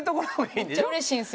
めっちゃ嬉しいんです。